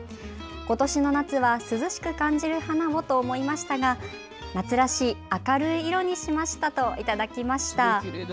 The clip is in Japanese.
ことしの夏は涼しく感じる花をと思いましたが夏らしい明るい色にしましたといただきました。